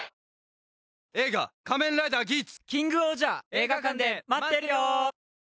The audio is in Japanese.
映画館で待ってるよ！